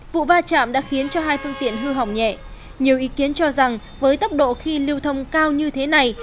vụ va chạm đã khiến cho hai phương tiện hư hỏng nhẹ nhiều ý kiến cho rằng với tốc độ khi lưu thông cao như thế này